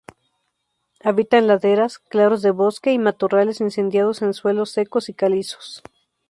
Habita en laderas, claros de bosque, y matorrales incendiados en suelos secos y calizos.